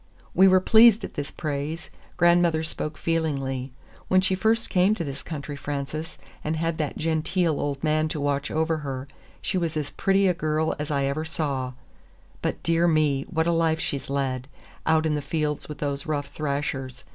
We were pleased at this praise. Grandmother spoke feelingly. "When she first came to this country, Frances, and had that genteel old man to watch over her, she was as pretty a girl as ever I saw. But, dear me, what a life she's led, out in the fields with those rough thrashers!